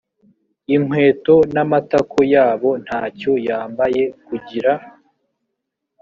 inkweto n amatako yabo nta cyo yambaye kugira